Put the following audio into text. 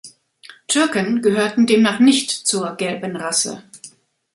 Türken gehörten demnach nicht zur „gelben Rasse“.